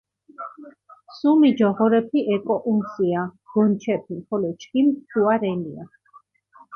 სუმი ჯოღორეფი ეკოჸუნსია გონჩეფინ, ხოლო ჩქიმ სქუა რენია.